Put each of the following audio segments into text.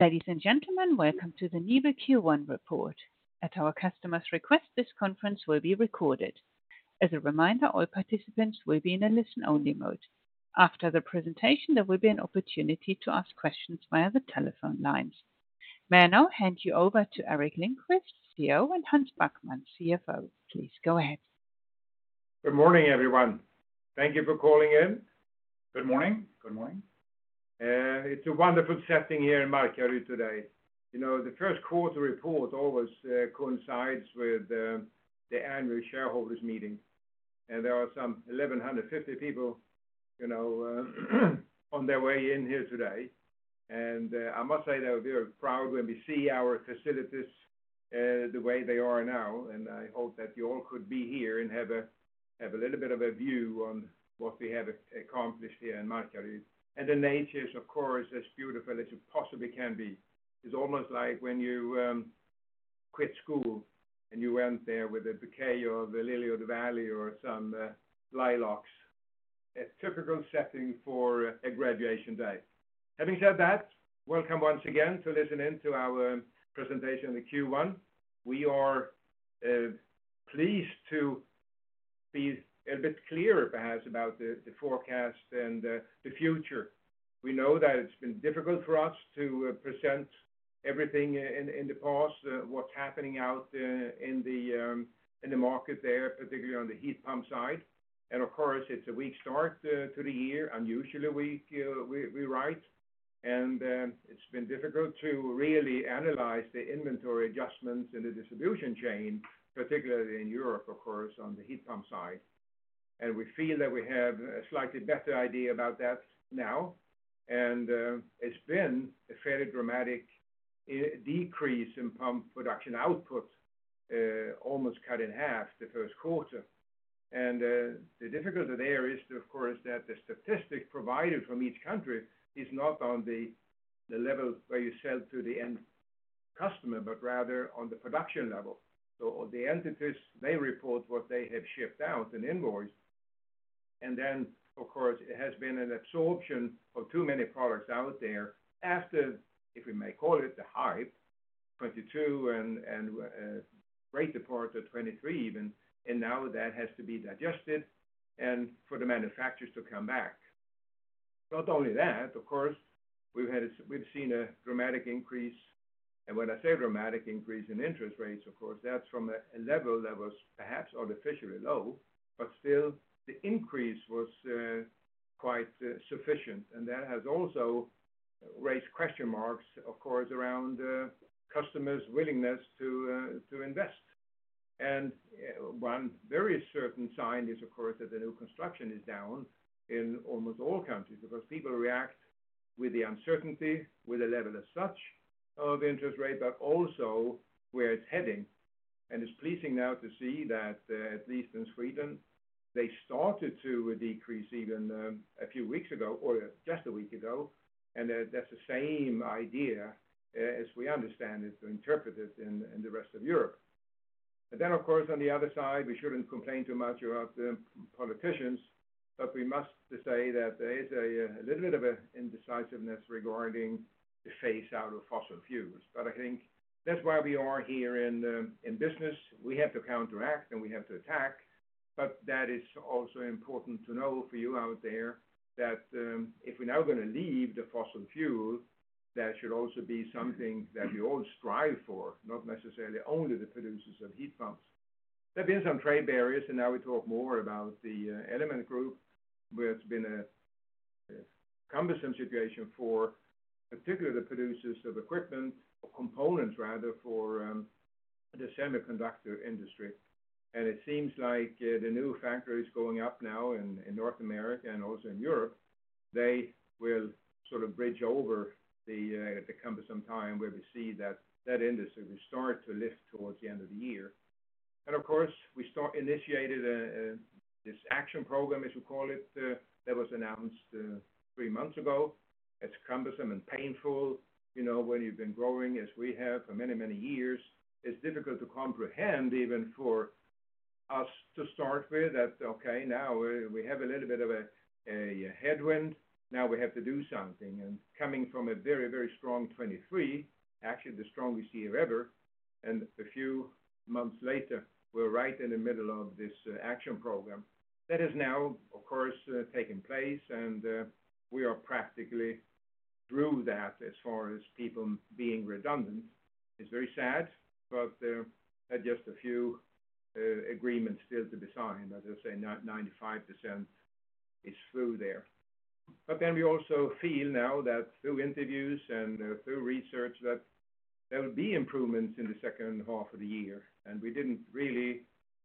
Ladies and gentlemen, welcome to the NIBE Q1 report. At our customer's request, this conference will be recorded. As a reminder, all participants will be in a listen-only mode. After the presentation, there will be an opportunity to ask questions via the telephone lines. May I now hand you over to Gerteric Lindquist, CEO, and Hans Backman, CFO. Please, go ahead. Good morning, everyone. Thank you for calling in. Good morning. Good morning. It's a wonderful setting here in Markaryd today. You know, the Q1 report always coincides with the annual shareholders meeting, and there are some 1,150 people, you know, on their way in here today. I must say that we are proud when we see our facilities the way they are now, and I hope that you all could be here and have a little bit of a view on what we have accomplished here in Markaryd. The nature is, of course, as beautiful as it possibly can be. It's almost like when you quit school and you went there with a bouquet of the lily of the valley or some lilacs. A typical setting for a graduation day. Having said that, welcome once again to listen in to our presentation in the Q1. We are pleased to be a bit clearer, perhaps, about the forecast and the future. We know that it's been difficult for us to present everything in the past, what's happening out in the market there, particularly on the heat pump side. And of course, it's a weak start to the year, unusually weak, we write. And it's been difficult to really analyze the inventory adjustments in the distribution chain, particularly in Europe, of course, on the heat pump side. And we feel that we have a slightly better idea about that now. And it's been a fairly dramatic decrease in pump production output, almost cut in half the Q1. And the difficulty there is, of course, that the statistic provided from each country is not on the level where you sell to the end customer, but rather on the production level. So the entities, they report what they have shipped out and invoiced, and then, of course, it has been an absorption of too many products out there after, if we may call it, the hype, 2022 and great part of 2023 even, and now that has to be digested and for the manufacturers to come back. Not only that, of course, we've seen a dramatic increase, and when I say dramatic increase in interest rates, of course, that's from a level that was perhaps artificially low, but still the increase was quite sufficient. That has also raised question marks, of course, around customers' willingness to to invest. One very certain sign is, of course, that the new construction is down in almost all countries, because people react with the uncertainty, with the level as such of interest rate, but also where it's heading. It's pleasing now to see that, at least in Sweden, they started to decrease even a few weeks ago or just a week ago, and that's the same idea, as we understand it, to interpret it in the rest of Europe. But then, of course, on the other side, we shouldn't complain too much about the politicians, but we must say that there is a little bit of a indecisiveness regarding the phase out of fossil fuels. But I think that's why we are here in business. We have to counteract and we have to attack, but that is also important to know for you out there, that if we're now gonna leave the fossil fuel, that should also be something that we all strive for, not necessarily only the producers of heat pumps. There have been some trade barriers, and now we talk more about the Element group, where it's been a cumbersome situation for particularly the producers of equipment or components, rather, for the semiconductor industry. And it seems like the new factories going up now in North America and also in Europe, they will sort of bridge over the cumbersome time where we see that that industry will start to lift towards the end of the year. Of course, we started initiated this action program, as we call it, that was announced three months ago. It's cumbersome and painful, you know, when you've been growing, as we have for many, many years, it's difficult to comprehend even for us to start with, that, okay, now we have a little bit of a headwind. Now we have to do something. Coming from a very, very strong 2023, actually the strongest year ever, and a few months later, we're right in the middle of this action program. That has now, of course, taken place, and we are practically through that as far as people being redundant. It's very sad, but just a few agreements still to be signed. As I say, 95% is through there. But then we also feel now that through interviews and through research, that there will be improvements in the second half of the year. And we didn't really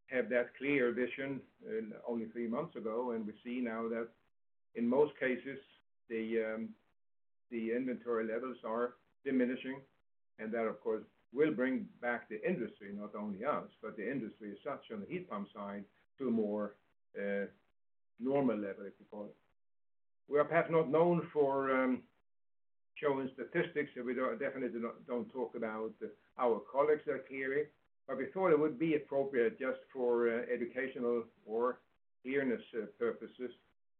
have that clear vision only three months ago, and we see now that in most cases, the inventory levels are diminishing, and that, of course, will bring back the industry, not only us, but the industry as such on the heat pump side, to a more normal level, if you call it. We are perhaps not known for showing statistics, and we definitely do not talk about our colleagues here, but we thought it would be appropriate just for educational or clearness purposes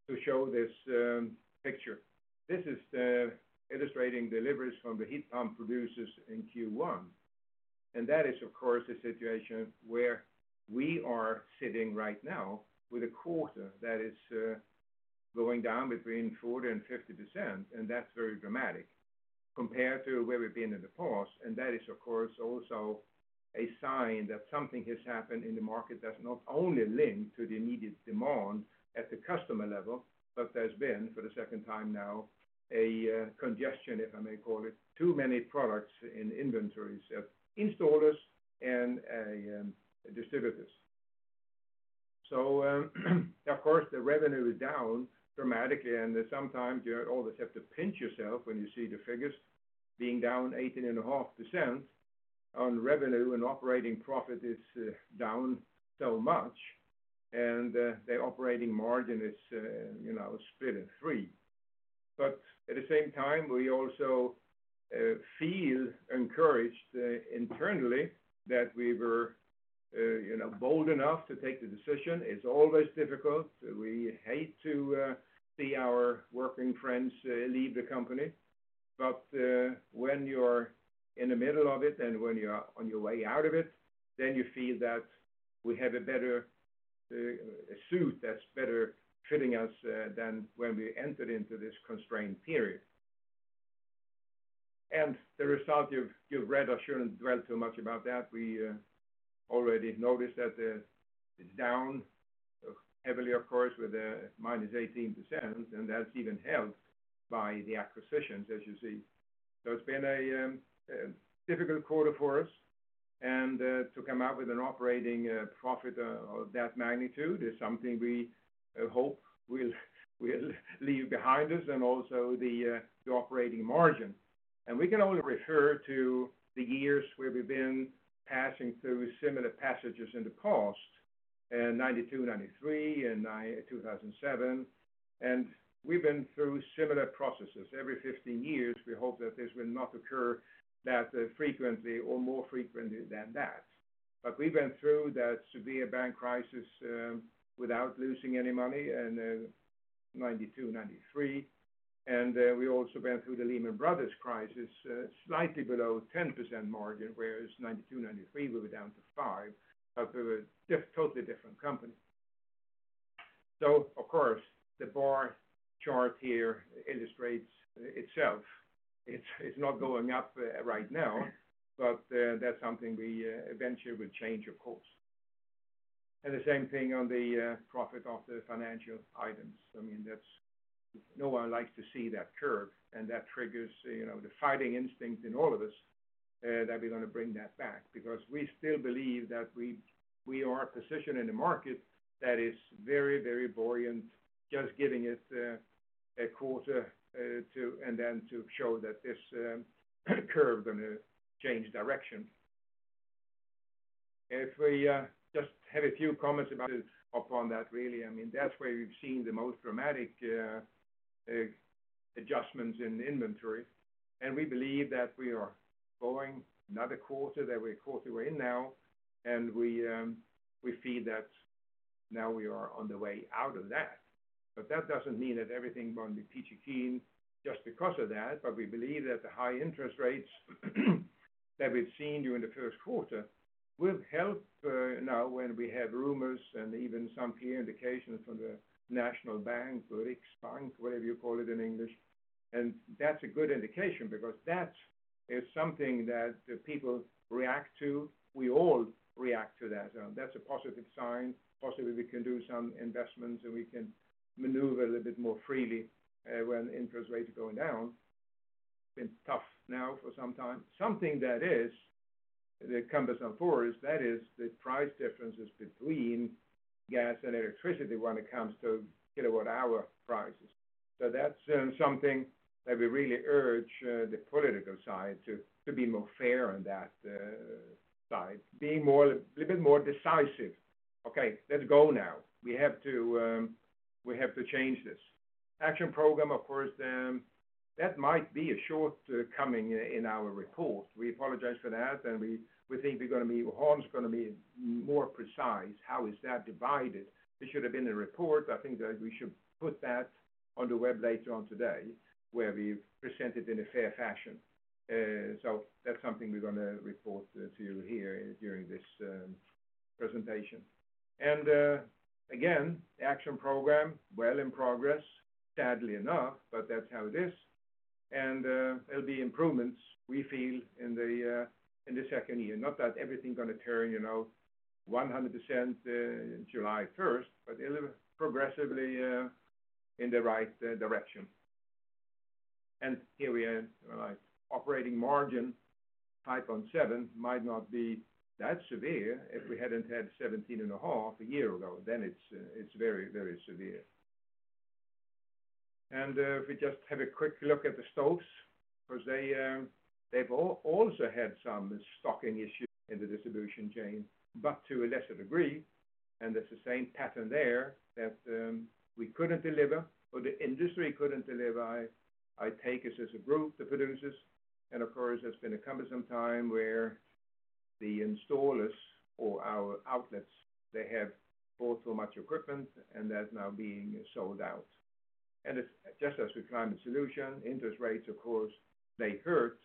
to show this picture. This is illustrating deliveries from the heat pump producers in Q1, and that is, of course, the situation where we are sitting right now, with a quarter that is going down between 40%-50%, and that's very dramatic compared to where we've been in the past. And that is, of course, also a sign that something has happened in the market that's not only linked to the immediate demand at the customer level, but there's been, for the second time now, a congestion, if I may call it, too many products in inventories at installers and distributors. So, of course, the revenue is down dramatically, and sometimes you almost have to pinch yourself when you see the figures being down 18.5% on revenue, and operating profit is down so much, and the operating margin is, you know, split in three. But at the same time, we also feel encouraged internally that we were, you know, bold enough to take the decision. It's always difficult. We hate to see our working friends leave the company, but when you're in the middle of it and when you're on your way out of it, then you feel that we have a better suit that's better fitting us than when we entered into this constRailed period. And the result, you've read, I shouldn't dwell too much about that. We already noticed that it's down heavily, of course, with a minus 18%, and that's even held by the acquisitions, as you see. So it's been a difficult quarter for us, and to come out with an operating profit of that magnitude is something we hope we'll leave behind us and also the operating margin. And we can only refer to the years where we've been passing through similar passages in the past, 1992, 1993, and 2007, and we've been through similar processes. Every 15 years, we hope that this will not occur that frequently or more frequently than that. But we've been through the severe bank crisis without losing any money, and 1992, 1993, and we also went through the Lehman Brothers crisis, slightly below 10% margin, whereas 1992, 1993, we were down to 5%, but we were totally different company. So of course, the bar chart here illustrates itself. It's not going up right now, but that's something we eventually will change, of course. And the same thing on the profit of the financial items. I mean, that's... No one likes to see that curve, and that triggers, you know, the fighting instinct in all of us that we're gonna bring that back, because we still believe that we are a position in the market that is very, very buoyant, just giving it a quarter or two and then to show that this curve gonna change direction. If we just have a few comments about it, upon that, really, I mean, that's where we've seen the most dramatic adjustments in inventory, and we believe that we are going another quarter, that the quarter we're in now, and we feel that now we are on the way out of that. But that doesn't mean that everything will be peachy keen just because of that, but we believe that the high interest rates that we've seen during the Q1 will help, now when we have rumors and even some clear indications from the national bank, Riksbank, whatever you call it in English, and that's a good indication, because that is something that the people react to. We all react to that. That's a positive sign. Possibly we can do some investments, and we can maneuver a little bit more freely, when interest rates are going down. It's been tough now for some time. Something that is, that comes on for is, that is the price differences between gas and electricity when it comes to kilowatt-hour prices. So that's something that we really urge the political side to be more fair on that side, being a little bit more decisive. "Okay, let's go now. We have to change this." Action program, of course, that might be a shortcoming in our report. We apologize for that, and we think we're gonna be, Hans is gonna be more precise. How is that divided? It should have been in the report. I think that we should put that on the web later on today, where we present it in a fair fashion. So that's something we're gonna report to you here during this presentation. And again, the action program, well in progress, sadly enough, but that's how it is. And there'll be improvements, we feel, in the second year. Not that everything gonna turn, you know, 100%, July first, but it'll progressively in the right direction. And here we are. Operating margin 5.7 might not be that severe if we hadn't had 17.5 a year ago, then it's, it's very, very severe. And if we just have a quick look at the Stoves, 'cause they, they've also had some stocking issues in the distribution chain, but to a lesser degree, and it's the same pattern there that we couldn't deliver, or the industry couldn't deliver. I, I take this as a group, the producers, and of course, it's been a cumbersome time where the installers or our outlets, they have bought so much equipment and that's now being sold out. And it's just as with climate solution, interest rates, of course, they hurt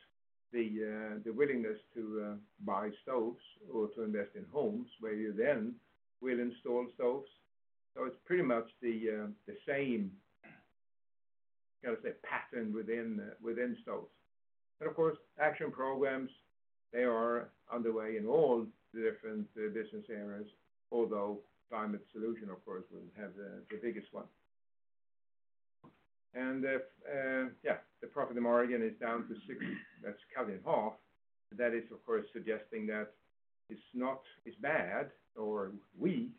the willingness to buy Gerteric or to invest in homes where you then will install Gerteric. So it's pretty much the same, can I say, pattern within Gerteric. But of course, action programs, they are underway in all the different business areas, although climate solution, of course, will have the biggest one. And if yeah, the profit margin is down to 60, that's cut in half. That is, of course, suggesting that it's not, it's bad or weak,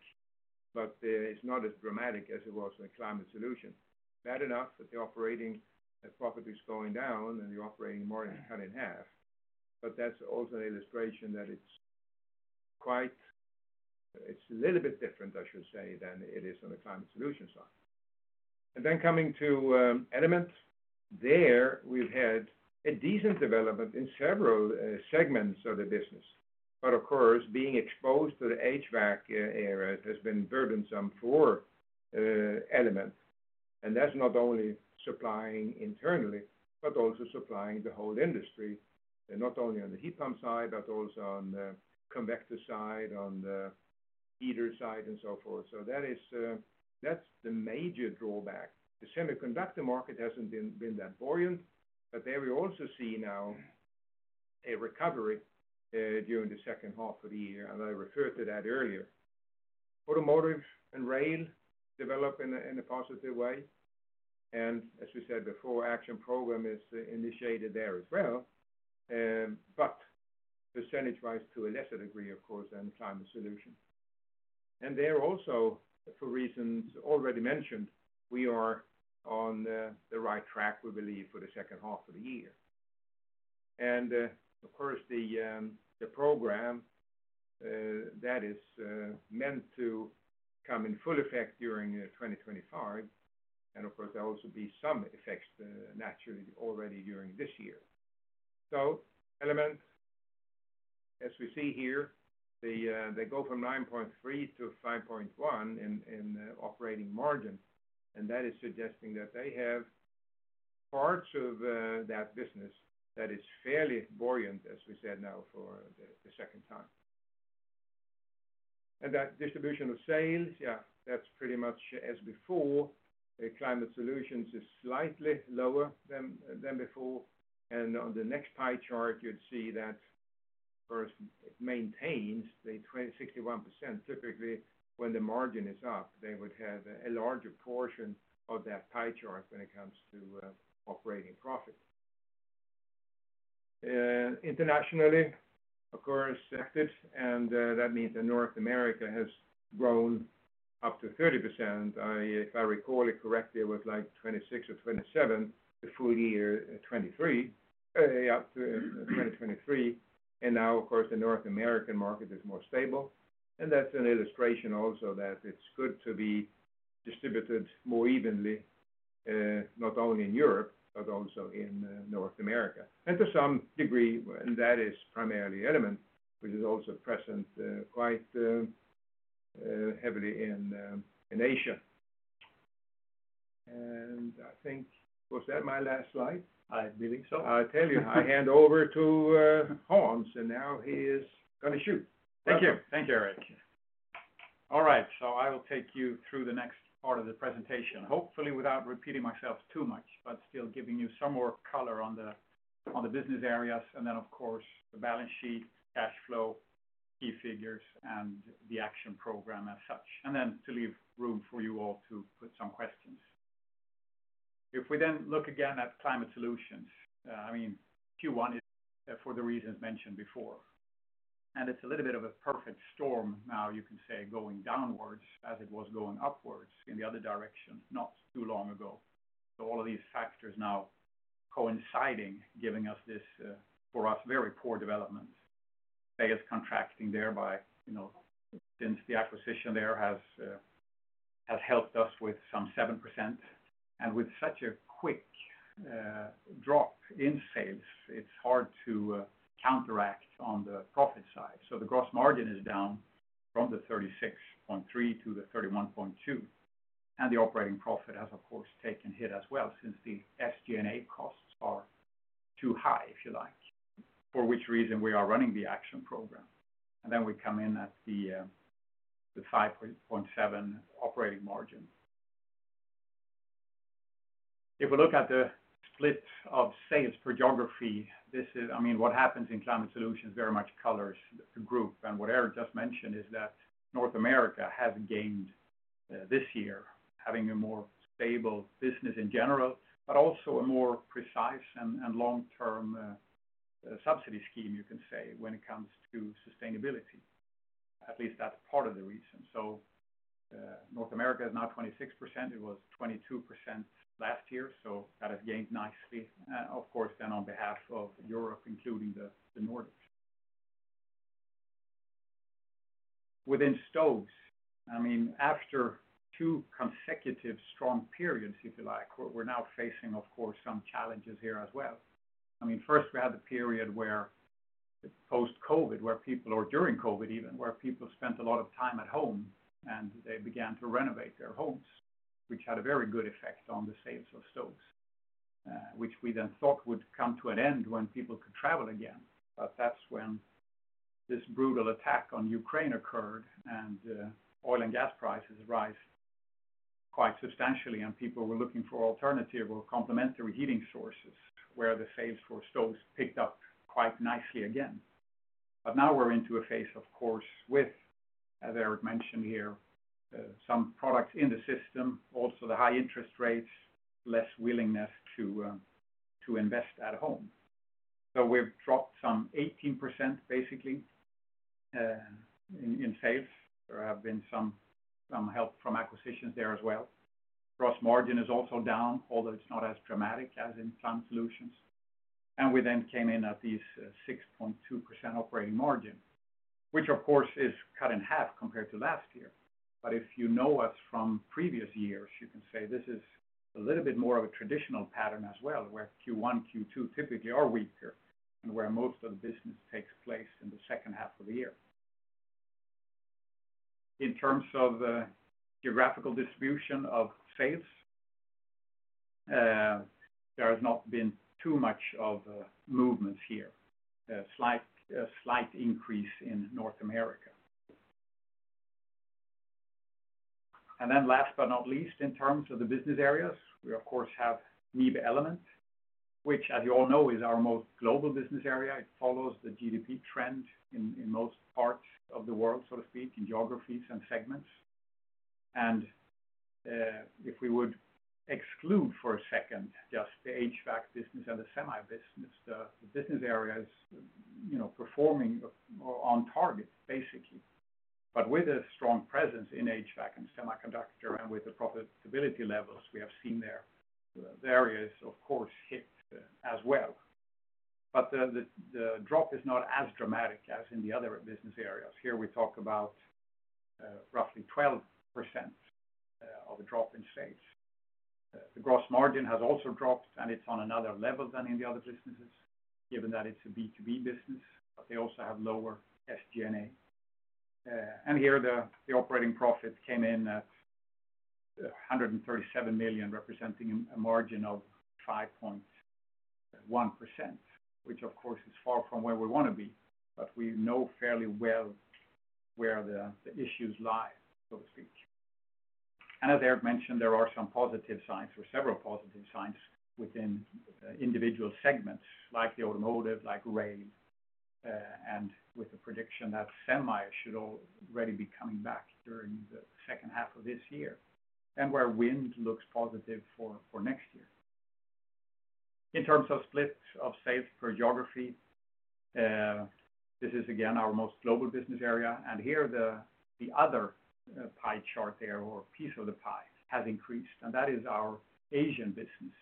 but it's not as dramatic as it was in a climate solution. Bad enough that the operating profit is going down and the operating margin cut in half, but that's also an illustration that it's quite... It's a little bit different, I should say, than it is on the climate solution side. And then coming to Element, there, we've had a decent development in several segments of the business. But of course, being exposed to the HVAC area has been burdensome for Element, and that's not only supplying internally, but also supplying the whole industry, and not only on the heat pump side, but also on the convector side, on the heater side, and so forth. So that is that's the major drawback. The semiconductor market hasn't been that buoyant, but there we also see now a recovery during the second half of the year, and I referred to that earlier. Automotive and rail develop in a positive way, and as we said before, action program is initiated there as well, but percentage-wise, to a lesser degree, of course, than climate solution. And there also, for reasons already mentioned, we are on the right track, we believe, for the second half of the year. And, of course, the program that is meant to come in full effect during 2025, and of course, there will also be some effects, naturally already during this year. So Element, as we see here, they go from 9.3 to 5.1 in operating margin, and that is suggesting that they have parts of that business that is fairly buoyant, as we said now for the second time. That distribution of sales, yeah, that's pretty much as before. The Climate Solutions is slightly lower than, than before, and on the next pie chart, you'd see that first, it maintains the 26.1%. Typically, when the margin is up, they would have a larger portion of that pie chart when it comes to operating profit. Internationally, of course, active, and that means that North America has grown up to 30%. If I recall it correctly, it was like 26 or 27, the full year 2023, up to 2023, and now, of course, the North American market is more stable. And that's an illustration also that it's good to be distributed more evenly, not only in Europe, but also in North America. And to some degree, that is primarily Element, which is also present quite heavily in Asia. And I think, was that my last slide? I believe so. I tell you, I hand over to Hans, and now he is gonna shoot. Thank you. Thank you, Gerteric. All right, so I will take you through the next part of the presentation, hopefully without repeating myself too much, but still giving you some more color on the, on the business areas, and then, of course, the balance sheet, cash flow, key figures, and the action program as such, and then to leave room for you all to put some questions. If we then look again at climate solutions, I mean, Q1 is for the reasons mentioned before, and it's a little bit of a perfect storm now, you can say, going downwards as it was going upwards in the other direction, not too long ago. So all of these factors now coinciding, giving us this, for us, very poor development. The gas contracting thereby, you know, since the acquisition there has helped us with some 7%, and with such a quick drop in sales, it's hard to counteract on the profit side. So the gross margin is down from the 36.3% to the 31.2%, and the operating profit has, of course, taken hit as well, since the SG&A costs are too high, if you like, for which reason we are running the action program. Then we come in at the 5.7% operating margin. If we look at the split of sales for geography, this is... I mean, what happens in climate solutions very much colors the group. What Gerteric just mentioned is that North America has gained this year, having a more stable business in general, but also a more precise and, and long-term subsidy scheme, you can say, when it comes to sustainability. At least that's part of the reason. So, North America is now 26%. It was 22% last year, so that has gained nicely, of course, then on behalf of Europe, including the Nordics, within Gerteric, I mean, after two consecutive strong periods, if you like, we're now facing, of course, some challenges here as well. I mean, first we had the period where post-COVID, where people—or during COVID even, where people spent a lot of time at home, and they began to renovate their homes, which had a very good effect on the sales of Gerteric, which we then thought would come to an end when people could travel again. But that's when this brutal attack on Ukraine occurred, and oil and gas prices rise quite substantially, and people were looking for alternative or complementary heating sources, where the sales for Gerteric picked up quite nicely again. But now we're into a phase, of course, with, as Gerteric mentioned here, some products in the system, also the high interest rates, less willingness to to invest at home. So we've dropped some 18%, basically, in, in sales. There have been some, some help from acquisitions there as well. Gross margin is also down, although it's not as dramatic as in Plant Solutions. And we then came in at 6.2% operating margin, which of course, is cut in half compared to last year. But if you know us from previous years, you can say this is a little bit more of a traditional pattern as well, where Q1, Q2 typically are weaker, and where most of the business takes place in the second half of the year. In terms of geographical distribution of sales, there has not been too much of a movement here. A slight, a slight increase in North America. And then last but not least, in terms of the business areas, we of course have NIBE Element, which, as you all know, is our most global business area. It follows the GDP trend in most parts of the world, so to speak, in geographies and segments. If we would exclude for a second just the HVAC business and the semi business, the business areas, you know, performing on target, basically. But with a strong presence in HVAC and semiconductor, and with the profitability levels we have seen there, the areas of course hit as well. But the drop is not as dramatic as in the other business areas. Here we talk about roughly 12% of a drop in sales. The gross margin has also dropped, and it's on another level than in the other businesses, given that it's a B2B business, but they also have lower SG&A. and here, the operating profit came in at 137 million, representing a margin of 5.1%, which, of course, is far from where we want to be, but we know fairly well where the issues lie, so to speak. And as Gerteric mentioned, there are some positive signs or several positive signs within individual segments like the automotive, like Rail, and with the prediction that semi should already be coming back during the second half of this year, and where wind looks positive for next year. In terms of split of sales per geography, this is again, our most global business area, and here the other pie chart there, or piece of the pie has increased, and that is our Asian business.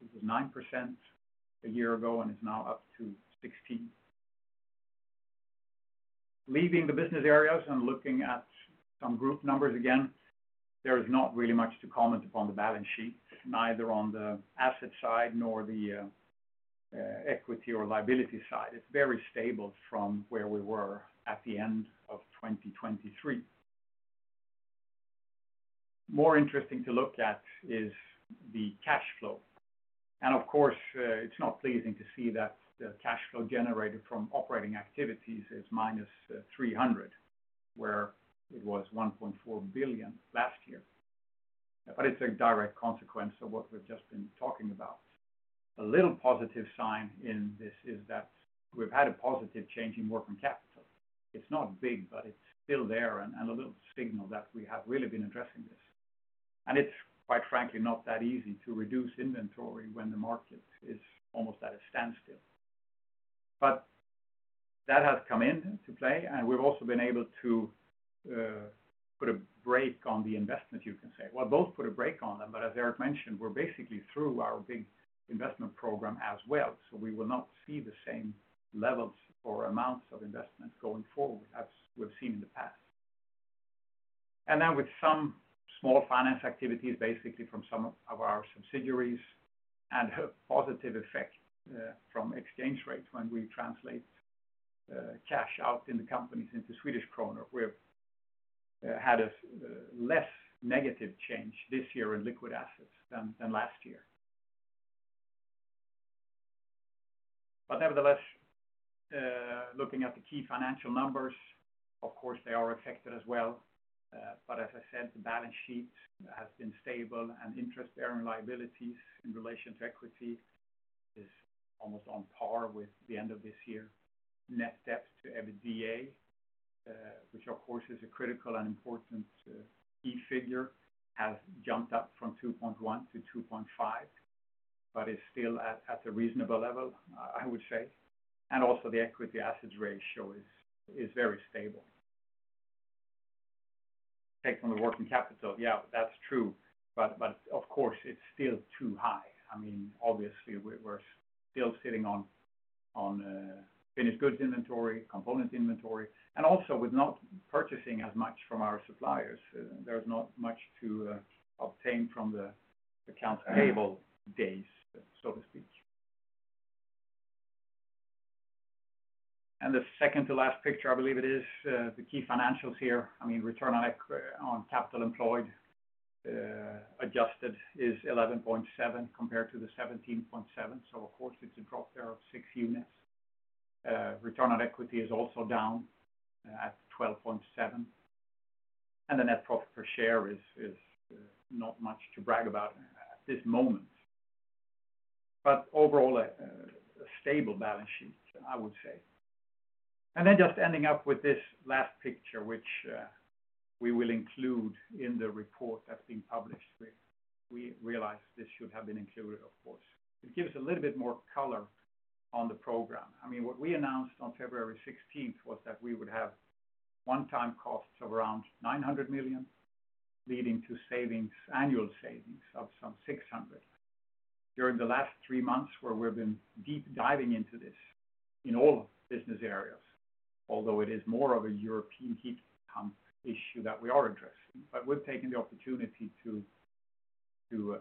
It was 9% a year ago and is now up to 16%. Leaving the business areas and looking at some group numbers again, there is not really much to comment upon the balance sheet, neither on the asset side, nor the equity or liability side. It's very stable from where we were at the end of 2023. More interesting to look at is the cash flow. And of course, it's not pleasing to see that the cash flow generated from operating activities is -300 million, where it was 1.4 billion last year. But it's a direct consequence of what we've just been talking about. A little positive sign in this is that we've had a positive change in working capital. It's not big, but it's still there and a little signal that we have really been addressing this. It's quite frankly not that easy to reduce inventory when the market is almost at a standstill. But that has come into play, and we've also been able to put a brake on the investment, you can say. Well, both put a brake on them, but as Gerteric mentioned, we're basically through our big investment program as well, so we will not see the same levels or amounts of investment going forward as we've seen in the past. Then with some small finance activities, basically from some of our subsidiaries, and a positive effect from exchange rates when we translate cash out in the companies into Swedish krona. We've had a less negative change this year in liquid assets than last year. Nevertheless, looking at the key financial numbers, of course, they are affected as well. But as I said, the balance sheet has been stable, and interest-bearing liabilities in relation to equity is almost on par with the end of this year. Net debt to EBITDA, which of course, is a critical and important key figure, has jumped up from 2.1 to 2.5, but is still at a reasonable level, I would say. And also the equity assets ratio is very stable. Take from the working capital. Yeah, that's true, but of course, it's still too high. I mean, obviously, we're still sitting on finished goods inventory, component inventory, and also with not purchasing as much from our suppliers, there's not much to obtain from the accounts payable days, so to speak. And the second to last picture, I believe it is, the key financials here. I mean, return on capital employed, adjusted is 11.7 compared to the 17.7. So of course, it's a drop there of 6 units. Return on equity is also down at 12.7, and the net profit per share is not much to brag about at this moment. But overall, a stable balance sheet, I would say. And then just ending up with this last picture, which we will include in the report that's being published. We realized this should have been included, of course. It gives us a little bit more color on the program. I mean, what we announced on February sixteenth, was that we would have one-time costs of around 900 million, leading to savings, annual savings of some 600 million. During the last three months, where we've been deep diving into this in all business areas, although it is more of a European heat pump issue that we are addressing, but we've taken the opportunity to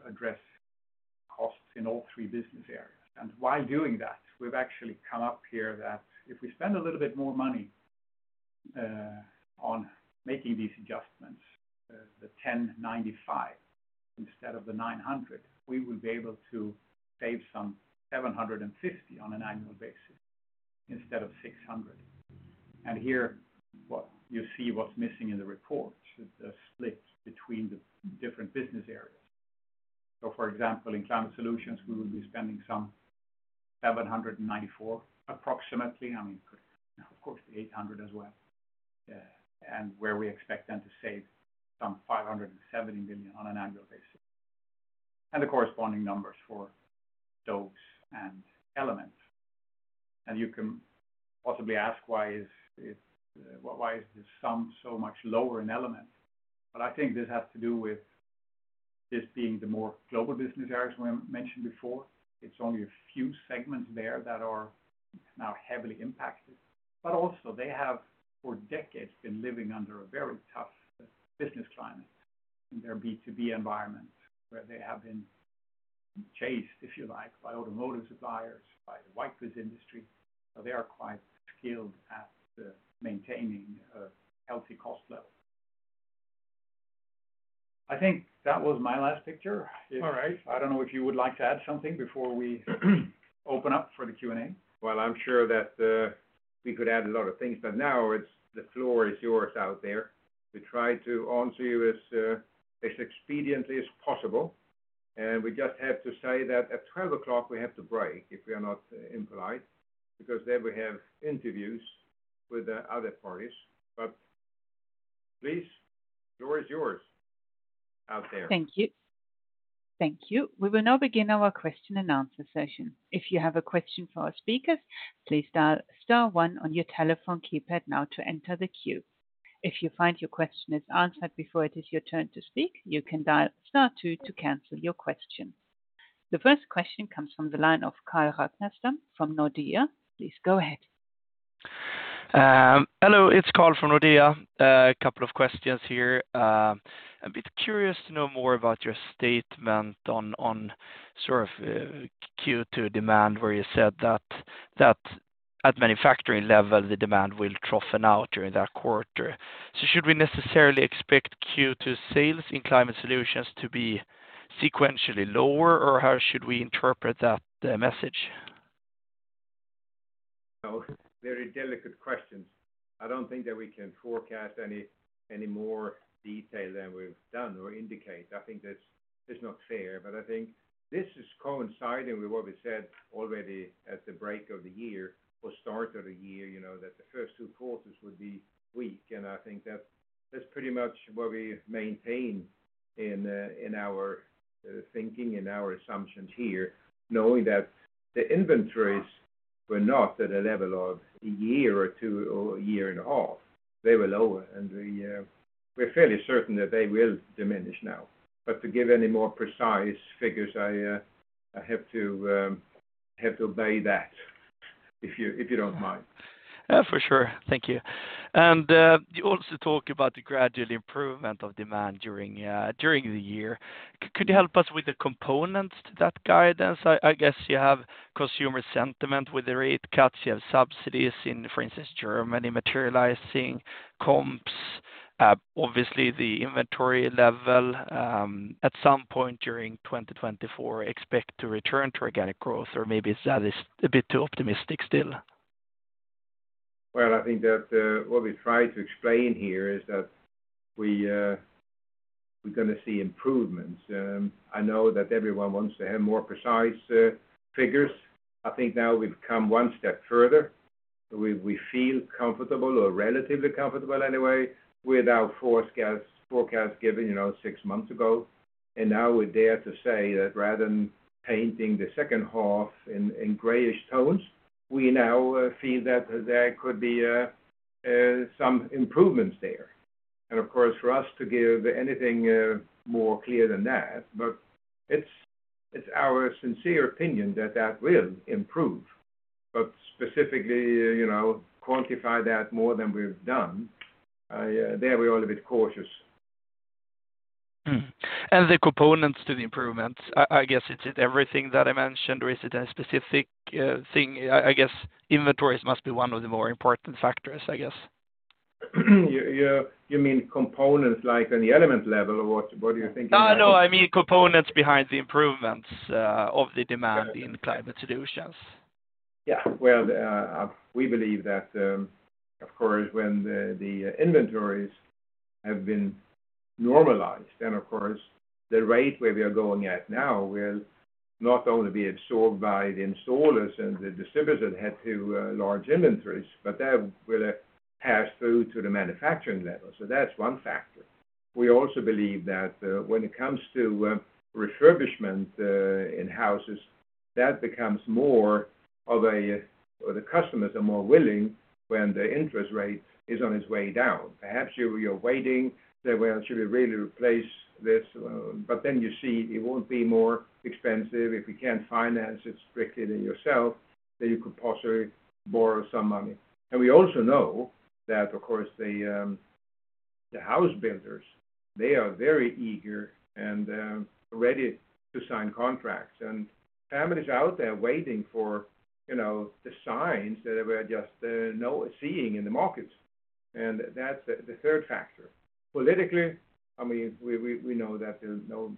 address costs in all three business areas. While doing that, we've actually come up here that if we spend a little bit more money on making these adjustments, the 1,095, instead of the 900, we will be able to save some 750 on an annual basis instead of 600. Here, what you see, what's missing in the report, the splits between the different business areas. So for example, in Climate Solutions, we will be spending some 794, approximately, I mean, of course, 800 as well. and where we expect them to save some 570 million on an annual basis, and the corresponding numbers for Gerteric and Elements. And you can possibly ask, why is it, why is this sum so much lower in Elements? But I think this has to do with this being the more global business areas, where I mentioned before, it's only a few segments there that are now heavily impacted, but also they have, for decades, been living under a very tough business climate in their B2B environment, where they have been chased, if you like, by automotive suppliers, by the white goods industry. So they are quite skilled at maintaining a healthy cost level. I think that was my last picture. All right. I don't know if you would like to add something before we open up for the Q&A? Well, I'm sure that we could add a lot of things, but now it's the floor is yours out there. We try to answer you as as expediently as possible, and we just have to say that at 12 o'clock, we have to break, if we are not in polite, because then we have interviews with the other parties, but please, the floor is yours out there. Thank you. Thank you. We will now begin our question and answer session. If you have a question for our speakers, please dial star one on your telephone keypad now to enter the queue. If you find your question is answered before it is your turn to speak, you can dial star two to cancel your question. The first question comes from the line of Carl Ragnerstam from Nordea. Please go ahead. Hello, it's Carl from Nordea. A couple of questions here. A bit curious to know more about your statement on, on sort of, Q2 demand, where you said that, that at manufacturing level, the demand will troughen out during that quarter. So should we necessarily expect Q2 sales in climate solutions to be sequentially lower, or how should we interpret that, message? So very delicate questions. I don't think that we can forecast any more detail than we've done or indicate. I think that's not fair, but I think this is coinciding with what we said already at the break of the year or start of the year, you know, that the first two quarters would be weak, and I think that's pretty much what we maintain in our thinking and our assumptions here. Knowing that the inventories were not at a level of a year or two, or a year and a half, they were lower, and we're fairly certain that they will diminish now. But to give any more precise figures, I have to obey that, if you don't mind. For sure. Thank you. And, you also talk about the gradual improvement of demand during, during the year. Could you help us with the components to that guidance? I guess you have consumer sentiment with the rate cuts, you have subsidies in, for instance, Germany, materializing comps. Obviously the inventory level, at some point during 2024 expect to return to organic growth, or maybe that is a bit too optimistic still? Well, I think that what we try to explain here is that we're gonna see improvements. I know that everyone wants to have more precise figures. I think now we've come one step further. We feel comfortable or relatively comfortable anyway with our forecast given, you know, six months ago. And now we dare to say that rather than painting the second half in grayish tones we now see that there could be some improvements there. And of course, for us to give anything more clear than that, but it's our sincere opinion that that will improve. But specifically, you know, quantify that more than we've done, there we're a little bit cautious. And the components to the improvements, I guess, is it everything that I mentioned, or is it a specific thing? I guess, inventories must be one of the more important factors, I guess. You mean components like on the Element level, or what, what do you think? No, no, I mean components behind the improvements of the demand in climate solutions. Yeah, well, we believe that, of course, when the inventories have been normalized, then, of course, the rate where we are going at now will not only be absorbed by the installers and the distributors that had to large inventories, but that will pass through to the manufacturing level. So that's one factor. We also believe that, when it comes to, refurbishment, in houses, that becomes more of a- or the customers are more willing when the interest rate is on its way down. Perhaps you, you're waiting, they will, should we really replace this? But then you see it won't be more expensive if you can't finance it strictly in yourself, then you could possibly borrow some money. And we also know that, of course, the house builders, they are very eager and, ready to sign contracts. Families out there waiting for, you know, the signs that we're just now seeing in the markets, and that's the third factor. Politically, I mean, we know that there's no,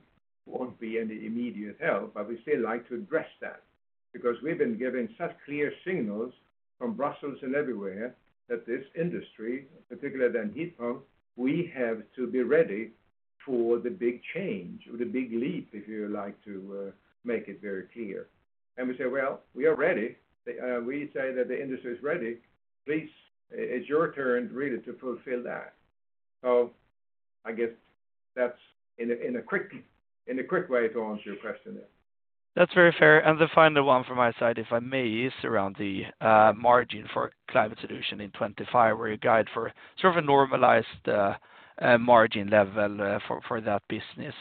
won't be any immediate help, but we still like to address that because we've been given such clear signals from Brussels and everywhere, that this industry, particularly the heat pump, we have to be ready for the big change or the big leap, if you like to make it very clear. And we say, "Well, we are ready." We say that the industry is ready. Please, it's your turn, really, to fulfill that. So I guess that's in a quick way to answer your question there. That's very fair. And the final one from my side, if I may, is around the margin for climate solution in 2025, where you guide for sort of a normalized margin level for that business.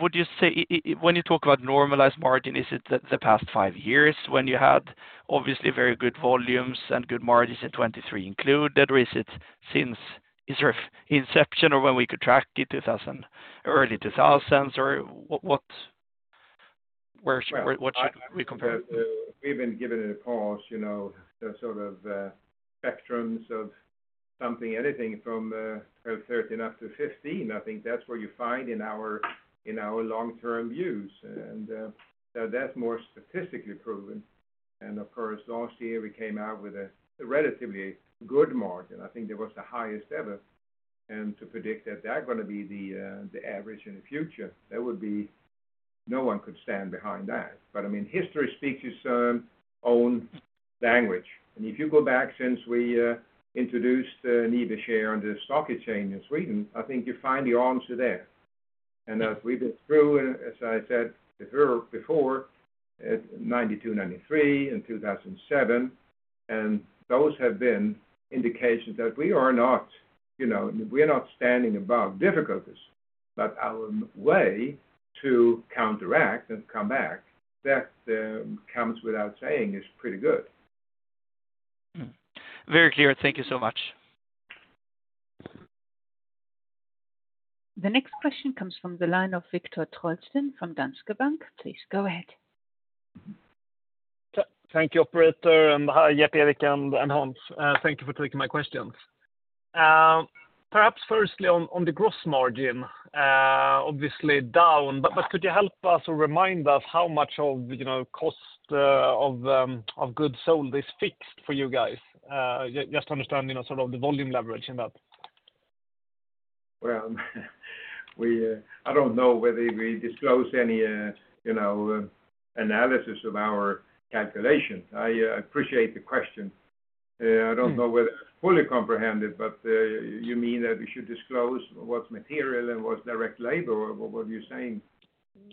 Would you say, when you talk about normalized margin, is it the past five years when you had obviously very good volumes and good margins, and 2023 included, or is it since its inception or when we could track it, early 2000s, or what, where, what should we compare it? We've been given a pause, you know, the sort of spectrums of something, anything from 13-15. I think that's where you find in our, in our long-term views, and so that's more statistically proven. And of course, last year we came out with a relatively good margin. I think that was the highest ever, and to predict that they're gonna be the average in the future, that would be, no one could stand behind that. But I mean, history speaks its own language. And if you go back since we introduced NIBE share on the stock exchange in Sweden, I think you find the answer there. As we've been through, as I said earlier, before 1992, 1993 and 2007, those have been indications that we are not, you know, we are not standing above difficulties, but our way to counteract and come back, that comes without saying, is pretty good. Hmm. Very clear. Thank you so much. The next question comes from the line of Victor Trollsten from Danske Bank. Please go ahead. Thank you, operator, and hi, Jeppe, Gerteric, and Hans. Thank you for taking my questions. Perhaps firstly on the gross margin, obviously down, but could you help us or remind us how much of, you know, cost of goods sold is fixed for you guys? Just to understand, you know, sort of the volume leverage in that. Well, we, I don't know whether we disclose any, you know, analysis of our calculations. I appreciate the question. I don't know whether I fully comprehend it, but, you mean that we should disclose what's material and what's direct labor, or what, what were you saying?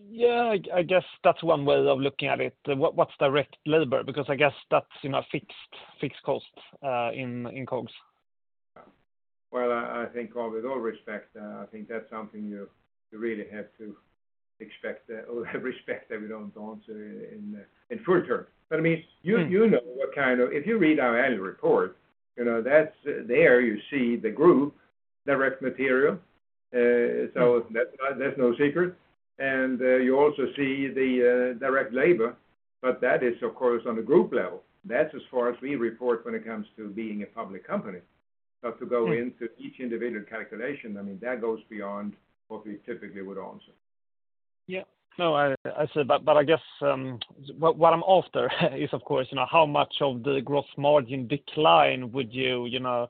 Yeah, I guess that's one way of looking at it. What's direct labor? Because I guess that's, you know, fixed costs in COGS. Well, I think with all respect, I think that's something you really have to expect, respect that we don't answer in full term. But I mean, you- Mm. You know, what kind of... If you read our annual report, you know, that's, there you see the group direct material, so that's not—that's no secret. And you also see the direct labor, but that is, of course, on the group level. That's as far as we report when it comes to being a public company. Mm. But to go into each individual calculation, I mean, that goes beyond what we typically would answer. Yeah. No, I see. But I guess what I'm after is, of course, you know, how much of the gross margin decline would you, you know,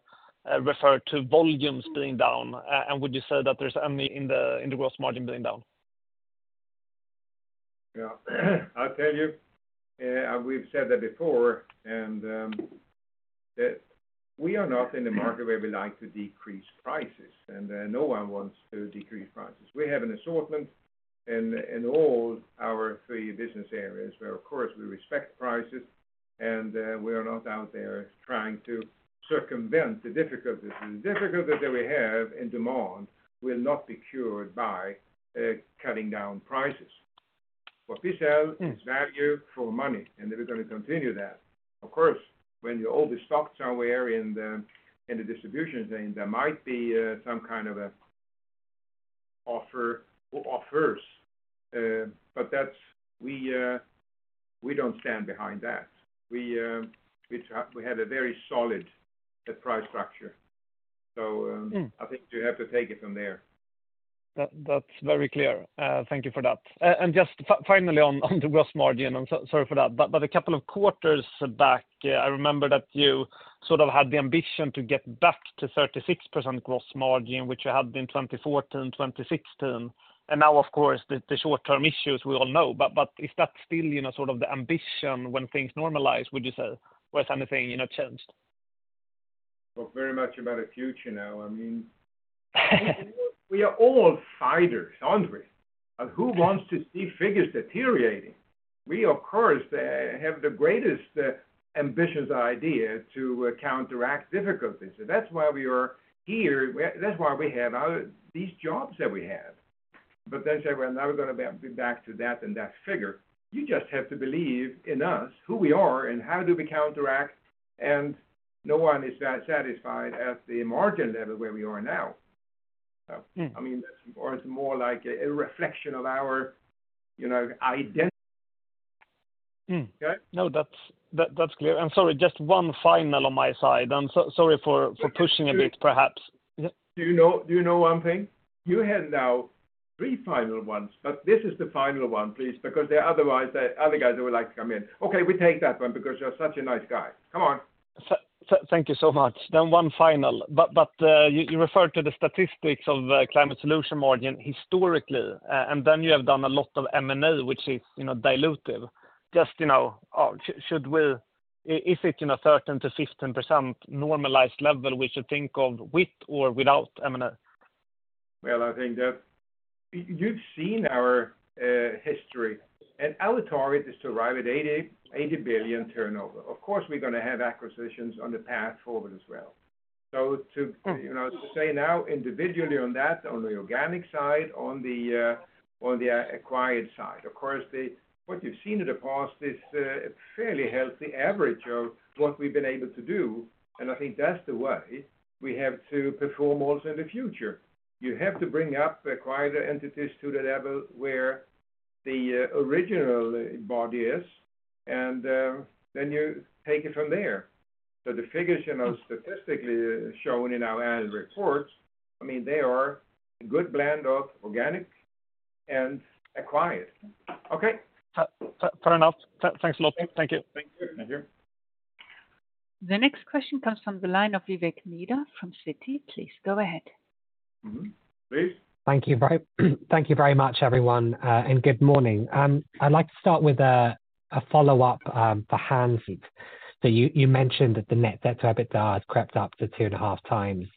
refer to volumes being down, and would you say that there's any in the gross margin being down? Yeah. I'll tell you, we've said that before, and that we are not in the market where we like to decrease prices, and no one wants to decrease prices. We have an assortment in all our three business areas where of course we respect prices, and we are not out there trying to circumvent the difficulties. The difficulty that we have in demand will not be cured by cutting down prices. What we sell is value for money, and we're going to continue that. Of course, when you hold the stock somewhere in the distribution thing, there might be some kind of a offer or offers, but we don't stand behind that. We have a very solid price structure. So, Mm I think you have to take it from there. That, that's very clear. Thank you for that. And just finally, on the gross margin, I'm sorry for that, but a couple of quarters back, I remember that you sort of had the ambition to get back to 36% gross margin, which you had in 2014, 2016, and now of course, the short-term issues we all know. But is that still, you know, sort of the ambition when things normalize, would you say, or has anything, you know, changed? Well, very much about the future now. I mean, we are all fighters, aren't we? But who wants to see figures deteriorating? We, of course, have the greatest ambitious idea to counteract difficulties, and that's why we are here. That's why we have these jobs that we have. But then say, Well, now we're gonna be back to that and that figure. You just have to believe in us, who we are, and how do we counteract, and no one is that satisfied at the margin level where we are now. So- Mm. I mean, or it's more like a reflection of our, you know, identity. Mm. Okay? No, that's clear. I'm sorry, just one final on my side. I'm sorry for pushing a bit, perhaps. Yep. Do you know, do you know one thing? You have now three final ones, but this is the final one, please, because otherwise, the other guys would like to come in. Okay, we take that one because you're such a nice guy. Come on. Thank you so much. Then one final. But you referred to the statistics of climate solution margin historically, and then you have done a lot of M&A, which is, you know, dilutive. Just, you know, should we—is it, you know, 13%-15% normalized level we should think of with or without M&A? Well, I think that you've seen our history, and our target is to arrive at 80 billion turnover. Of course, we're going to have acquisitions on the path forward as well. So to, you know, to say now individually on that, on the organic side, on the acquired side. Of course, what you've seen in the past is a fairly healthy average of what we've been able to do, and I think that's the way we have to perform also in the future. You have to bring up acquired entities to the level where the original body is, and then you take it from there. So the figures, you know, statistically shown in our annual reports, I mean, they are a good blend of organic and acquired. Okay? Fair enough. Thanks a lot. Thank you. Thank you. The next question comes from the line of Vivek Midha from Citi. Please go ahead. Mm-hmm. Please. Thank you very, thank you very much, everyone, and good morning. I'd like to start with a follow-up for Hans. So you mentioned that the net debt to EBITDA has crept up to 2.5x.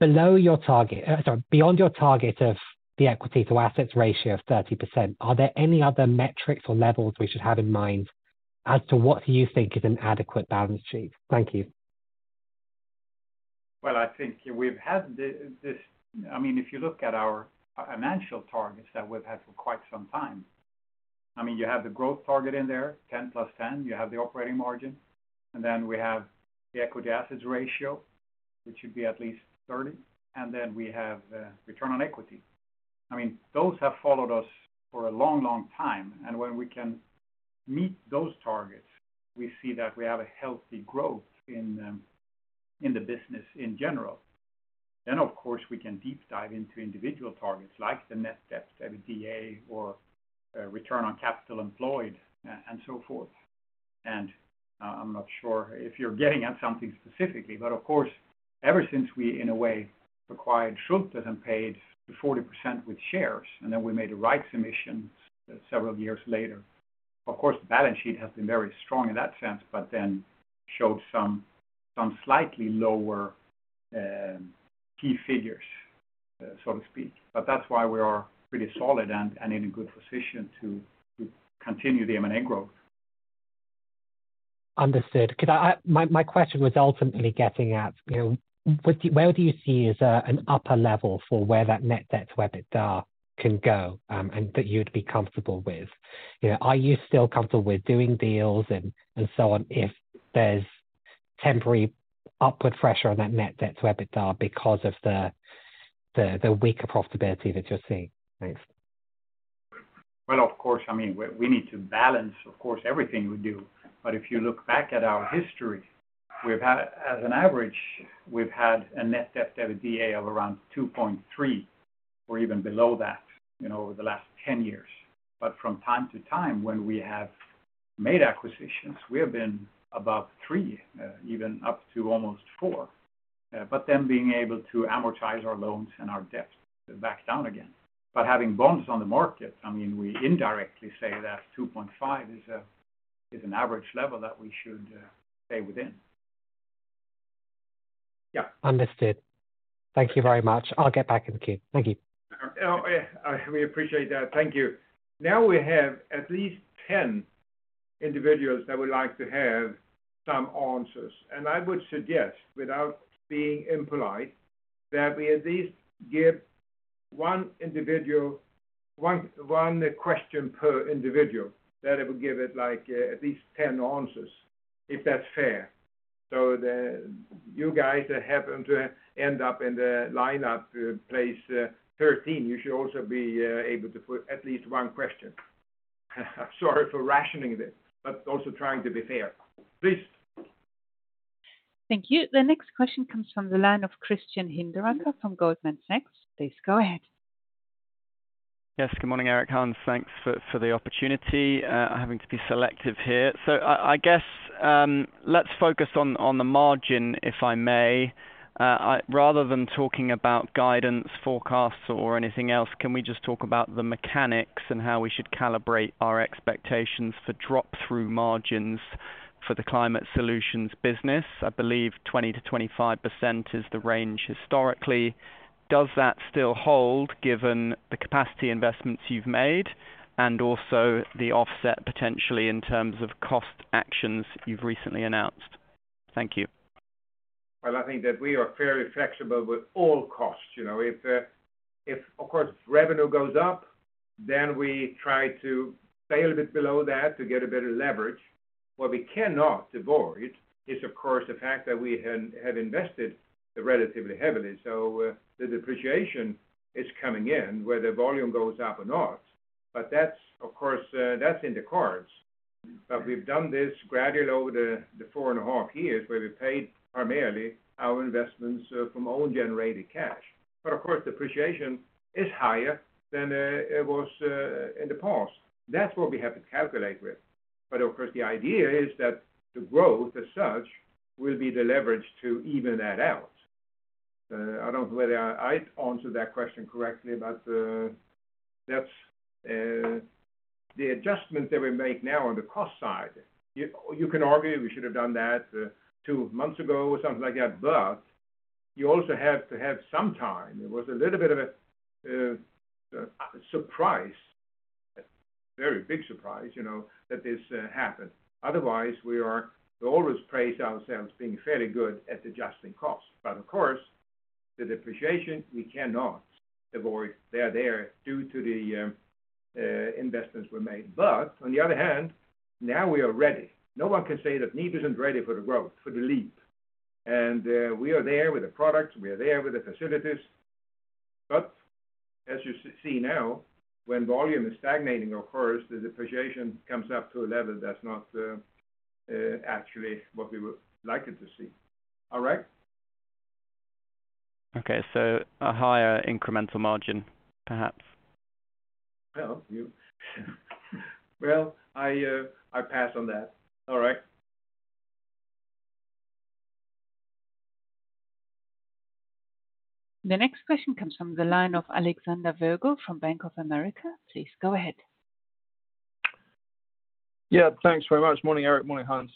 Below your target, sorry, beyond your target of the equity to assets ratio of 30%, are there any other metrics or levels we should have in mind as to what you think is an adequate balance sheet? Thank you. Well, I think we've had this. I mean, if you look at our financial targets that we've had for quite some time, I mean, you have the growth target in there, 10 + 10, you have the operating margin, and then we have the equity assets ratio, which should be at least 30, and then we have return on equity. I mean, those have followed us for a long, long time, and when we can meet those targets, we see that we have a healthy growth in the business in general. Then, of course, we can deep dive into individual targets like the net debt to EBITDA or return on capital employed, and so forth. And, I'm not sure if you're getting at something specifically, but of course, ever since we, in a way, acquired Schulthess and paid the 40% with shares, and then we made rights issues several years later, of course, the balance sheet has been very strong in that sense, but then showed some slightly lower key figures, so to speak. But that's why we are pretty solid and in a good position to continue the M&A growth. Understood. My question was ultimately getting at, you know, where do you see as an upper level for where that net debt to EBITDA can go, and that you'd be comfortable with? You know, are you still comfortable with doing deals and so on, if there's temporary upward pressure on that net debt to EBITDA because of the weaker profitability that you're seeing? Thanks. Well, of course, I mean, we need to balance, of course, everything we do. But if you look back at our history, we've had, as an average, we've had a net debt to EBITDA of around 2.3 or even below that, you know, over the last 10 years. But from time to time, when we have made acquisitions, we have been above 3, even up to almost 4, but then being able to amortize our loans and our debt back down again. But having bonds on the market, I mean, we indirectly say that 2.5 is an average level that we should stay within. Yeah. Understood. Thank you very much. I'll get back in the queue. Thank you. Oh, we appreciate that. Thank you. Now, we have at least 10 individuals that would like to have some answers, and I would suggest, without being impolite, that we at least give 1 individual 1, 1 question per individual, that it will give it like, at least 10 answers, if that's fair. So, you guys that happen to end up in the lineup, place, 13, you should also be able to put at least 1 question. Sorry for rationing this, but also trying to be fair. Please. Thank you. The next question comes from the line of Christian Hinderaker from Goldman Sachs. Please go ahead. Yes, good morning, Gerteric, Hans, thanks for the opportunity. I'm having to be selective here. So I guess, let's focus on the margin, if I may. Rather than talking about guidance, forecasts or anything else, can we just talk about the mechanics and how we should calibrate our expectations for drop-through margins for the climate solutions business? I believe 20%-25% is the range historically. Does that still hold, given the capacity investments you've made, and also the offset, potentially, in terms of cost actions you've recently announced? Thank you. Well, I think that we are fairly flexible with all costs, you know? If, of course, revenue goes up, then we try to stay a little bit below that to get a better leverage. What we cannot avoid is, of course, the fact that we have invested relatively heavily. So, the depreciation is coming in, whether volume goes up or not. But that's, of course, that's in the cards. But we've done this gradually over the four and a half years, where we paid primarily our investments from own generated cash. But of course, depreciation is higher than it was in the past. That's what we have to calculate with. But of course, the idea is that the growth as such, will be the leverage to even that out. I don't know whether I answered that question correctly, but that's the adjustment that we make now on the cost side. You can argue we should have done that two months ago or something like that, but you also have to have some time. It was a little bit of a surprise, a very big surprise, you know, that this happened. Otherwise, we are... We always praise ourselves being fairly good at adjusting costs, but of course, the depreciation, we cannot avoid. They are there due to the investments were made. But on the other hand, now we are ready. No one can say that NIBE isn't ready for the growth, for the leap. And we are there with the products, we are there with the facilities. But as you see now, when volume is stagnating, of course, the depreciation comes up to a level that's not actually what we would like it to see. All right? Okay, so a higher incremental margin, perhaps? Well, I pass on that. All right. The next question comes from the line of Alexander Virgo from Bank of America. Please go ahead. Yeah, thanks very much. Morning, Erik, morning, Hans.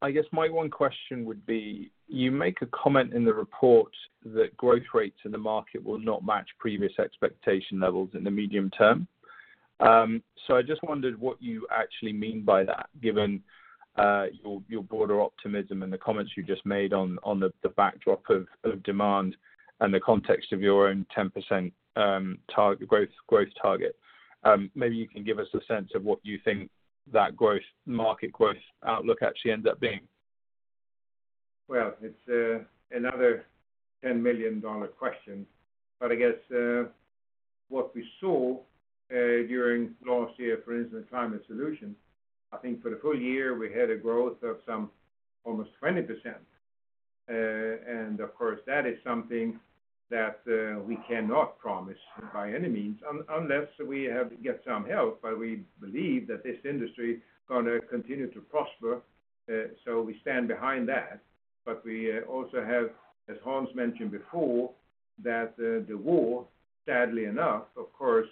I guess my one question would be, you make a comment in the report that growth rates in the market will not match previous expectation levels in the medium term. So I just wondered what you actually mean by that, given your broader optimism and the comments you just made on the backdrop of demand and the context of your own 10% target, growth, growth target. Maybe you can give us a sense of what you think that growth, market growth outlook actually ends up being. Well, it's another $10 million-dollar question, but I guess what we saw during last year, for instance, climate solution, I think for the full year we had a growth of some almost 20%. And of course, that is something that we cannot promise by any means unless we have, get some help. But we believe that this industry is gonna continue to prosper, so we stand behind that. But we also have, as Hans mentioned before, that the war, sadly enough, of course,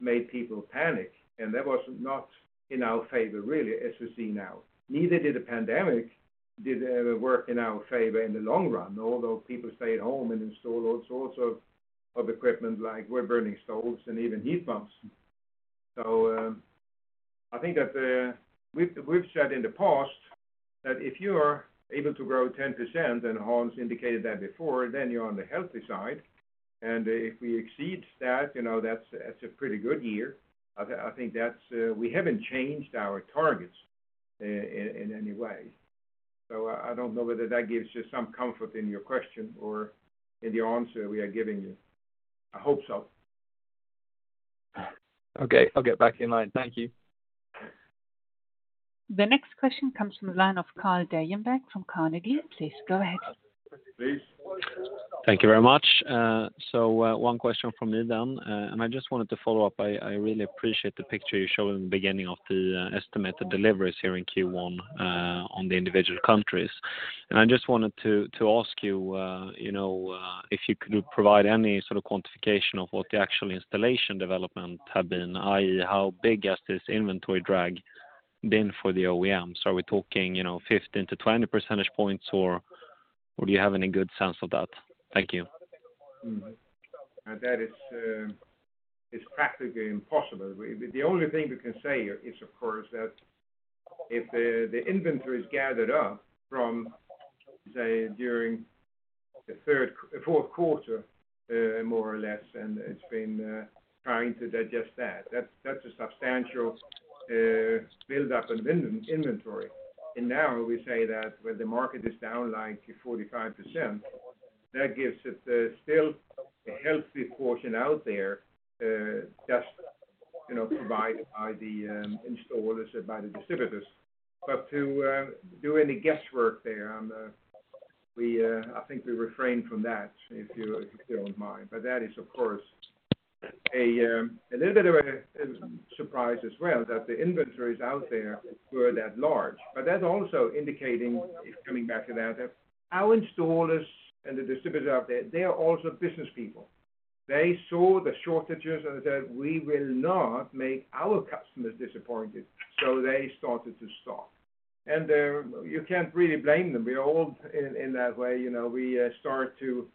made people panic, and that was not in our favor, really, as we see now. Neither did the pandemic work in our favor in the long run, although people stayed home and installed all sorts of equipment like wood burning Gerteric and even heat pumps. I think that we've said in the past that if you are able to grow 10%, and Hans indicated that before, then you're on the healthy side. If we exceed that, you know, that's a pretty good year. I think that's. We haven't changed our targets in any way. I don't know whether that gives you some comfort in your question or in the answer we are giving you. I hope so. Okay, I'll get back in line. Thank you. The next question comes from the line of Carl Deijenberg from Carnegie. Please go ahead.... Thank you very much. So, one question from me then. And I just wanted to follow up. I really appreciate the picture you showed in the beginning of the estimated deliveries here in Q1 on the individual countries. And I just wanted to ask you, you know, if you could provide any sort of quantification of what the actual installation development have been, i.e., how big has this inventory drag been for the OEM? So are we talking, you know, 15-20 percentage points, or do you have any good sense of that? Thank you. And that is practically impossible. The only thing we can say is, of course, that if the inventory is gathered up from, say, during the fourth quarter, more or less, and it's been trying to digest that, that's a substantial build up in inventory. And now we say that when the market is down, like 45%, that gives it still a healthy portion out there, that's, you know, provided by the installers and by the distributors. But to do any guesswork there on the... I think we refRail from that, if you don't mind. But that is, of course, a little bit of a surprise as well, that the inventories out there were that large. But that's also indicating, it's coming back to that, that our installers and the distributors out there, they are also business people. They saw the shortages and said, "We will not make our customers disappointed." So they started to stock. And, you can't really blame them. We are all in, in that way, you know, we start to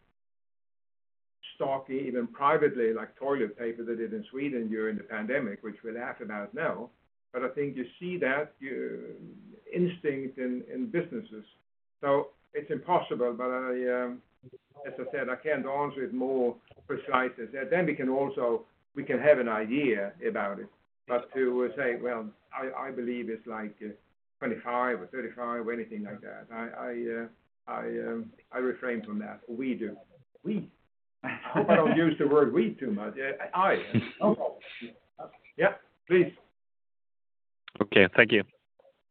stock even privately, like toilet paper, they did in Sweden during the pandemic, which we laugh about now. But I think you see that instinct in businesses, so it's impossible. But I, as I said, I can't answer it more precisely. Then we can have an idea about it, but to say, "Well, I believe it's like 25 or 35," or anything like that, I refRail from that. We do. We? I don't use the word we too much. Oh, yeah, please. Okay, thank you.